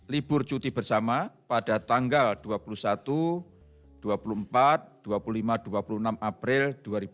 libur cuti bersama pada tanggal dua puluh satu dua puluh empat dua puluh lima dua puluh enam april dua ribu dua puluh